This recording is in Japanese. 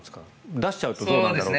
出しちゃうとどうなんだろうと。